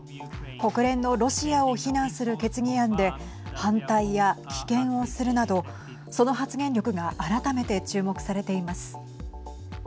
国連のロシアを非難する決議案で反対や棄権をするなどその発言力が改めて注目されています。